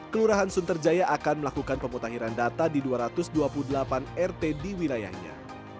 kelurahan sunterjaya akan melakukan pemutahiran data di dua ratus dua puluh delapan rt di wilayahnya